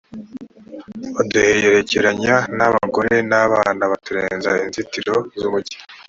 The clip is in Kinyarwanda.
baduherekeranya n’abagore n’abana baturenza inzitiro z’umujyi